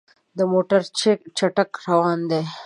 موټر چټک روان دی.